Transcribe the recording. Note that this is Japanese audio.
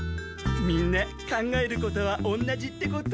みんな考えることはおんなじってこと？